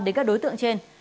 đến các đối tượng trên